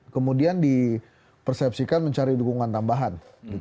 kemudian di persepsikan mencari dukungan tambahan